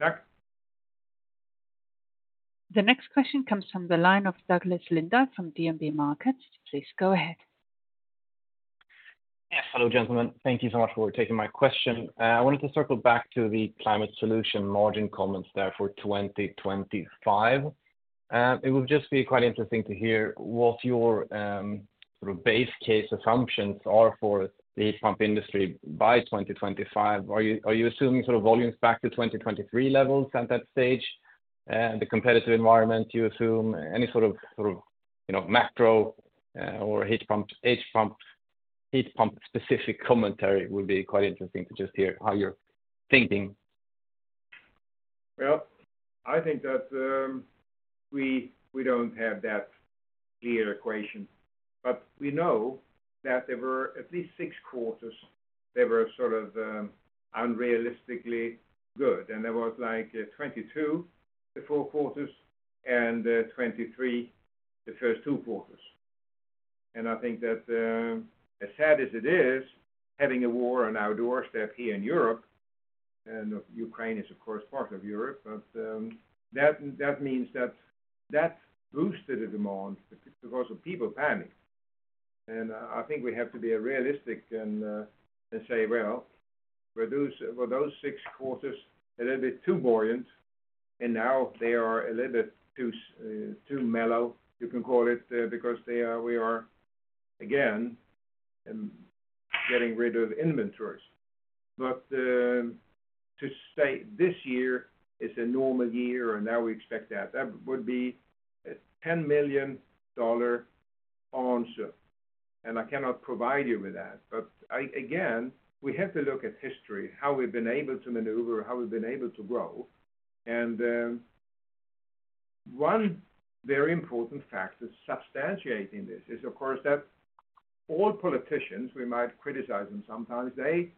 Yeah. The next question comes from the line of Douglas Lindahl from DNB Markets. Please go ahead. Yeah. Hello, gentlemen. Thank you so much for taking my question. I wanted to circle back to the climate solution margin comments there for 2025. It would just be quite interesting to hear what your sort of base case assumptions are for the heat pump industry by 2025. Are you assuming sort of volumes back to 2023 levels at that stage? The competitive environment, you assume any sort of, sort of, you know, macro or heat pump specific commentary would be quite interesting to just hear how you're thinking. Well, I think that, we, we don't have that clear equation, but we know that there were at least 6 quarters that were sort of, unrealistically good, and there was like, 2022, the 4 quarters and, 2023, the first 2 quarters. And I think that, as sad as it is, having a war on our doorstep here in Europe, and UkRaile is of course part of Europe, but, that, that means that that boosted the demand because the people panicked. And I, I think we have to be realistic and, and say, "Well, Were those 6 quarters a little bit too buoyant, and now they are a little bit too mellow?" You can call it, because they are, we are, again, getting rid of inventories. But to say this year is a normal year, and now we expect that, that would be a 10 million dollar answer, and I cannot provide you with that. But again, we have to look at history, how we've been able to maneuver, how we've been able to grow. One very important factor substantiating this is, of course, that all politicians, we might criticize them sometimes, they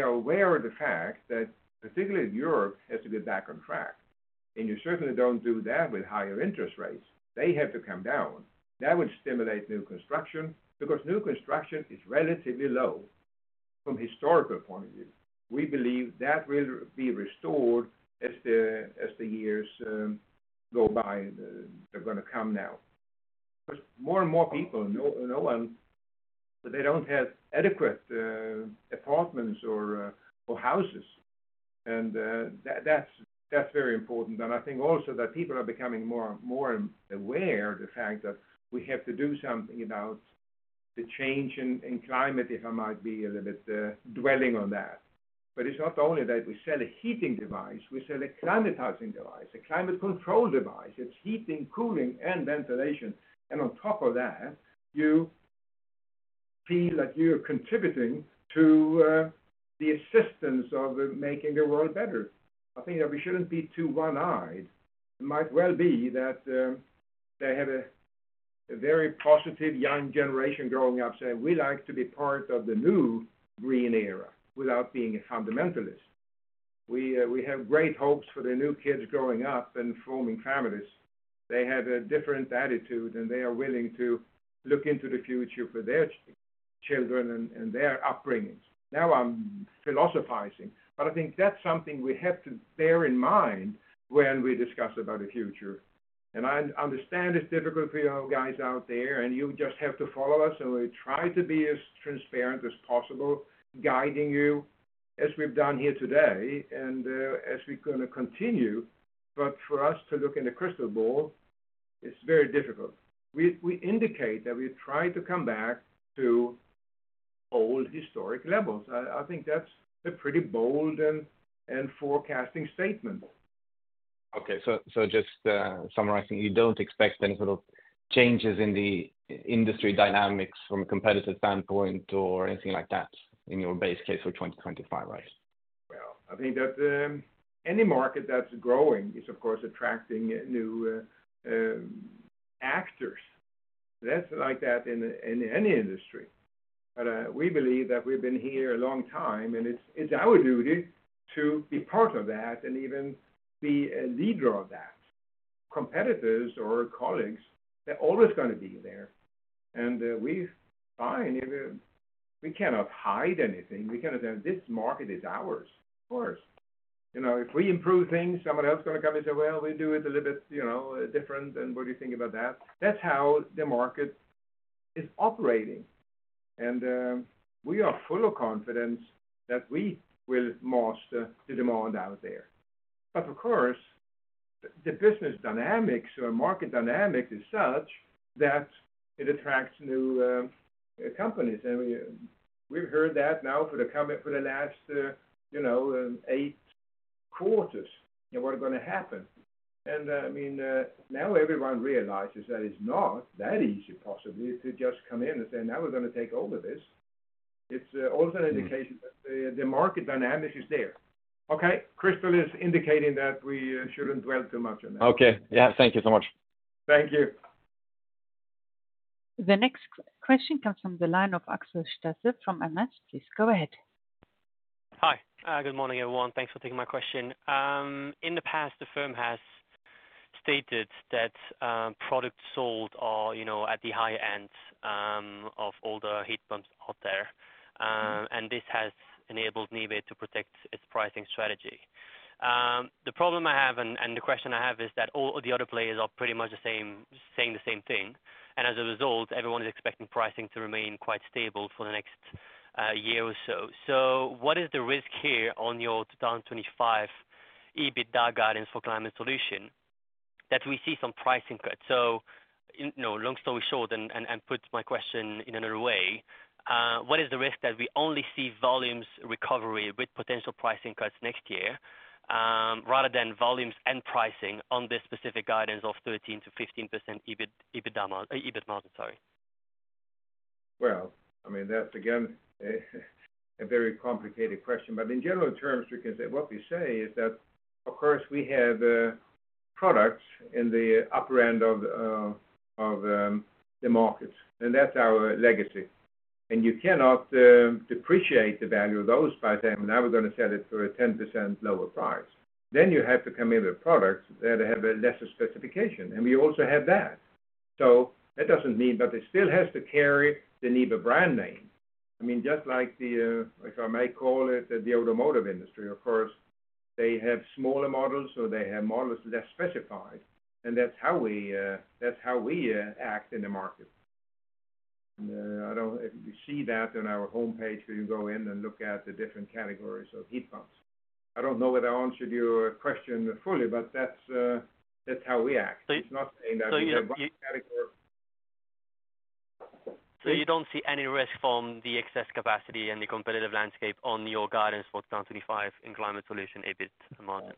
are aware of the fact that particularly Europe has to get back on track, and you certainly don't do that with higher interest rates. They have to come down. That would stimulate new construction, because new construction is relatively low from historical point of view. We believe that will be restored as the years go by. They're gonna come now. Because more and more people, no, no one, they don't have adequate apartments or houses. And that's very important. And I think also that people are becoming more aware of the fact that we have to do something about the change in climate, if I might be a little bit dwelling on that. But it's not only that we sell a heating device, we sell a climatizing device, a climate control device. It's heating, cooling, and ventilation. And on top of that, you feel like you are contributing to the assistance of making the world better. I think that we shouldn't be too one-eyed. It might well be that they have a very positive young generation growing up saying, "We like to be part of the new green era without being a fundamentalist." We, we have great hopes for the new kids growing up and forming families. They have a different attitude, and they are willing to look into the future for their children and their upbringing. Now I'm philosophizing, but I think that's something we have to bear in mind when we discuss about the future. I understand it's difficult for you guys out there, and you just have to follow us, and we try to be as transparent as possible, guiding you as we've done here today and as we're gonna continue. But for us to look in the crystal ball, it's very difficult. We indicate that we try to come back to old historic levels. I think that's a pretty bold and forecasting statement. Okay. So, so just, summarizing, you don't expect any sort of changes in the industry dynamics from a competitive standpoint or anything like that in your base case for 2025, right? Well, I think that, any market that's growing is, of course, attracting, new, actors. That's like that in any industry. But, we believe that we've been here a long time, and it's our duty to be part of that and even be a leader of that. Competitors or colleagues, they're always gonna be there. And, we're fine. We cannot hide anything. We cannot say, "This market is ours," of course. You know, if we improve things, someone else is gonna come and say, "Well, we do it a little bit, you know, different, and what do you think about that?" That's how the market is operating, and, we are full of confidence that we will master the demand out there. But of course, the business dynamics or market dynamics is such that it attracts new, companies. And we've heard that now for the coming... for the last, you know, eight quarters, and what are gonna happen. And, I mean, now everyone realizes that it's not that easy possibly to just come in and say, "Now we're gonna take over this." It's also an indication that the market dynamics is there. Okay, Crystal is indicating that we shouldn't dwell too much on that. Okay. Yeah, thank you so much. Thank you. The next question comes from the line of Axel Stasse from Morgan Stanley. Please go ahead. Hi. Good morning, everyone. Thanks for taking my question. In the past, the firm has stated that, products sold are, you know, at the high end, of all the heat pumps out there, and this has enabled NIBE to protect its pricing strategy. The problem I have and the question I have is that all the other players are pretty much the same, saying the same thing, and as a result, everyone is expecting pricing to remain quite stable for the next, year or so. So what is the risk here on your 2025 EBITDA guidance for climate solution that we see some pricing cuts? So, you know, long story short and put my question in another way, what is the risk that we only see volumes recovery with potential pricing cuts next year, rather than volumes and pricing on this specific guidance of 13%-15% EBIT, EBITDA margin, EBIT margin, sorry? Well, I mean, that's again a very complicated question. But in general terms, we can say, what we say is that, of course, we have products in the upper end of the markets, and that's our legacy. And you cannot depreciate the value of those by saying, "Now we're gonna sell it for a 10% lower price." Then you have to come in with products that have a lesser specification, and we also have that. So that doesn't mean... But it still has to carry the NIBE brand name. I mean, just like the, if I may call it, the automotive industry, of course, they have smaller models, so they have models that's specified, and that's how we, that's how we act in the market. I don't... If you see that on our homepage, when you go in and look at the different categories of heat pumps. I don't know whether I answered your question fully, but that's, that's how we act. So- It's not saying that we have one category. So you don't see any risk from the excess capacity and the competitive landscape on your guidance for 2025 in climate solution, EBIT margin?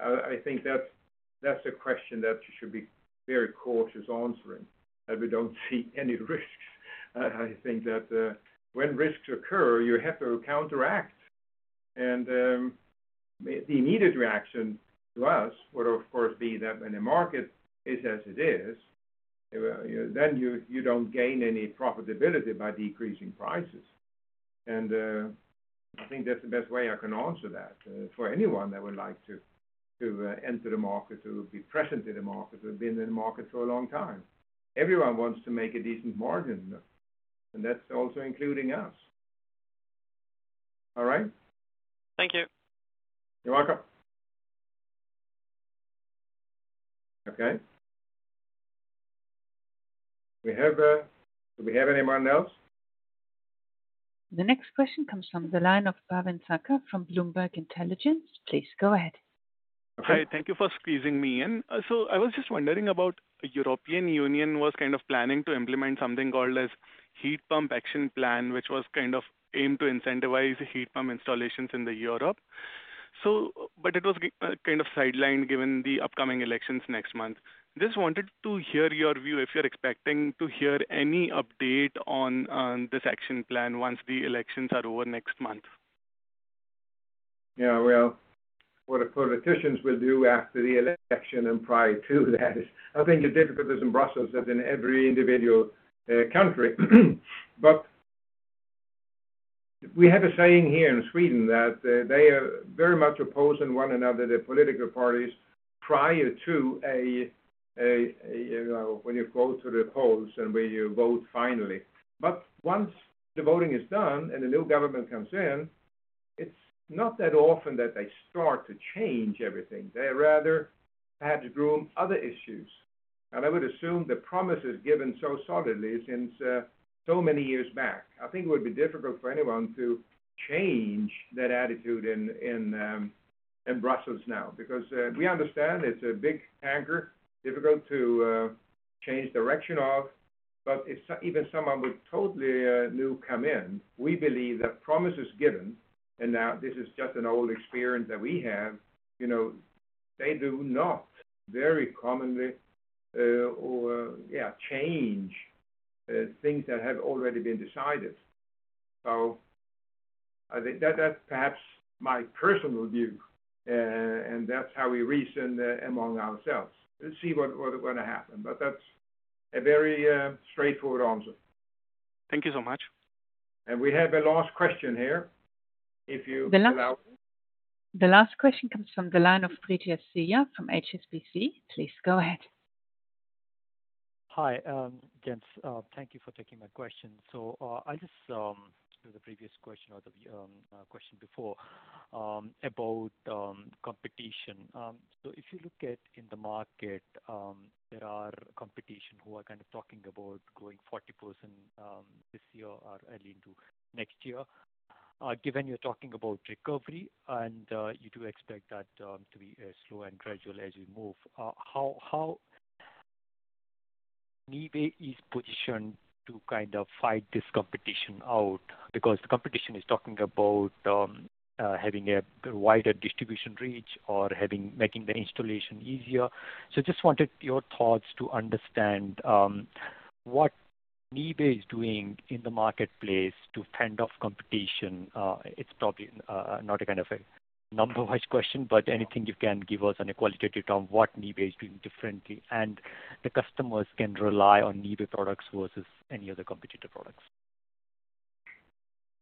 I think that's a question that you should be very cautious answering, that we don't see any risks. I think that when risks occur, you have to counteract. And the needed reaction to us would, of course, be that when the market is as it is, then you don't gain any profitability by decreasing prices. And I think that's the best way I can answer that for anyone that would like to enter the market, to be present in the market, or been in the market for a long time. Everyone wants to make a decent margin, and that's also including us. All right? Thank you. You're welcome. Okay. We have... Do we have anyone else? The next question comes from the line of Bhavin Patel from Bloomberg Intelligence. Please go ahead. Hi, thank you for squeezing me in. So I was just wondering about the European Union was kind of planning to implement something called as Heat Pump Action Plan, which was kind of aimed to incentivize heat pump installations in Europe. But it was kind of sidelined given the upcoming elections next month. Just wanted to hear your view, if you're expecting to hear any update on this action plan once the elections are over next month. Yeah, well, what the politicians will do after the election and prior to that, I think the difficulty is in Brussels and in every individual country. But we have a saying here in Sweden that they are very much opposing one another, the political parties, prior to you know, when you go to the polls and when you vote finally. But once the voting is done and the new government comes in, it's not that often that they start to change everything. They rather perhaps groom other issues. And I would assume the promises given so solidly since so many years back, I think it would be difficult for anyone to change that attitude in Brussels now. Because, we understand it's a big tanker, difficult to change direction of, but if even someone would totally new come in, we believe that promises given, and now this is just an old experience that we have, you know, they do not very commonly, or, yeah, change things that have already been decided. So I think that, that's perhaps my personal view, and that's how we reason among ourselves. Let's see what are gonna happen, but that's a very straightforward answer. Thank you so much. We have a last question here, if you allow. The last question comes from the line of Pritish Sahu from HSBC. Please go ahead. Hi, Hans. Thank you for taking my question. So, I just to the previous question or the question before about competition. So if you look at in the market, there are competition who are kind of talking about growing 40% this year or early into next year. Given you're talking about recovery and you do expect that to be slow and gradual as we move, how NIBE is positioned to kind of fight this competition out? Because the competition is talking about having a wider distribution reach or making the installation easier. So just wanted your thoughts to understand what NIBE is doing in the marketplace to fend off competition. It's probably not a kind of a number-wise question, but anything you can give us on a qualitative term, what NIBE is doing differently, and the customers can rely on NIBE products versus any other competitor products.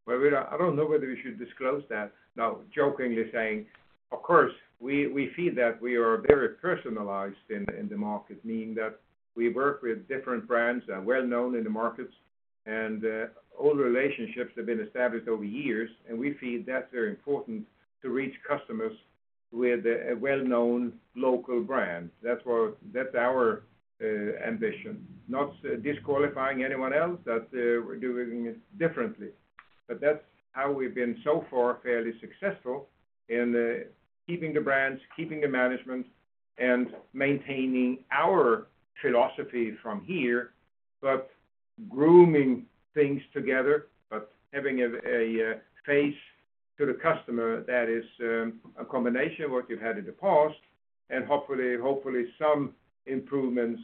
Well, I don't know whether we should disclose that. No, jokingly saying, of course, we feel that we are very personalized in the market, meaning that we work with different brands and well-known in the markets, and all the relationships have been established over years, and we feel that's very important to reach customers with a well-known local brand. That's what our ambition. Not disqualifying anyone else, but we're doing it differently. But that's how we've been so far, fairly successful in keeping the brands, keeping the management, and maintaining our philosophy from here, but grooming things together, but having a face to the customer that is a combination of what you've had in the past, and hopefully some improvements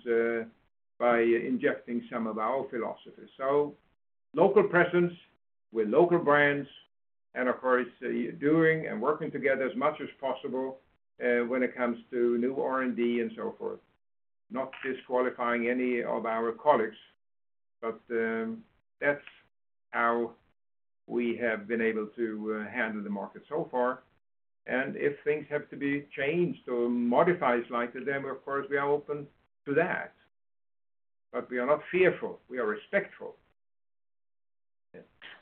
by injecting some of our philosophy. So local presence with local brands and, of course, doing and working together as much as possible, when it comes to new R&D and so forth. Not disqualifying any of our colleagues, but that's how we have been able to handle the market so far. And if things have to be changed or modified slightly, then of course we are open to that. But we are not fearful, we are respectful.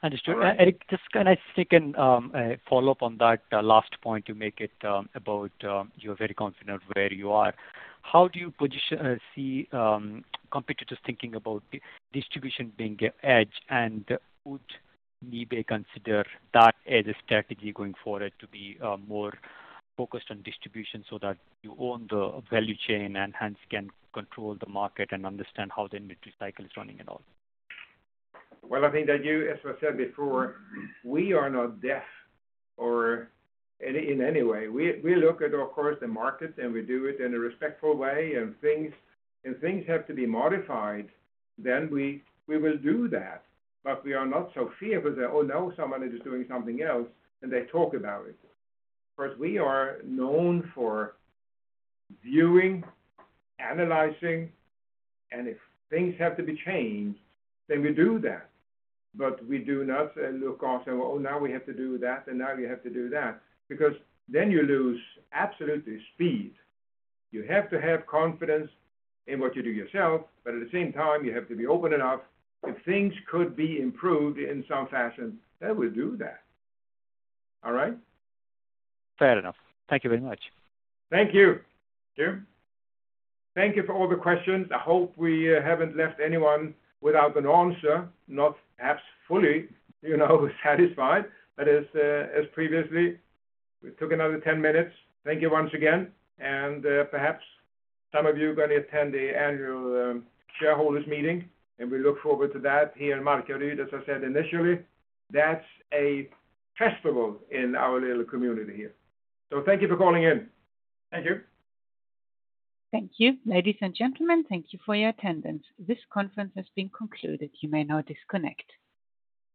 Understood. All right. Just, can I take a follow-up on that last point you make it about you're very confident where you are? How do you position, see, competitors thinking about distribution being an edge, and would NIBE consider that as a strategy going forward to be more focused on distribution so that you own the value chain and hence can control the market and understand how the inventory cycle is running and all? Well, I think that you, as I said before, we are not deaf or in any way. We look at, of course, the market, and we do it in a respectful way, and things, if things have to be modified, then we will do that. But we are not so fearful that, oh, no, someone is just doing something else, and they talk about it. First, we are known for viewing, analyzing, and if things have to be changed, then we do that. But we do not look off and say, "Well, now we have to do that, and now we have to do that," because then you lose absolutely speed. You have to have confidence in what you do yourself, but at the same time, you have to be open enough. If things could be improved in some fashion, then we do that. All right? Fair enough. Thank you very much. Thank you. Thank you. Thank you for all the questions. I hope we haven't left anyone without an answer, not as fully, you know, satisfied, but as previously, we took another 10 minutes. Thank you once again, and perhaps some of you are gonna attend the annual shareholders meeting, and we look forward to that here in Markaryd. As I said initially, that's a festival in our little community here. So thank you for calling in. Thank you. Thank you. Ladies and gentlemen, thank you for your attendance. This conference has been concluded. You may now disconnect.